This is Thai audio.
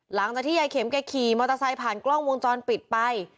หลังจากที่ยายเข็มแกขี่มอเตอร์ไซค์ผ่านกล้องวงจรปิดไป